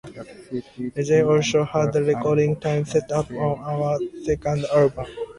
They also had recording time set up for our second album.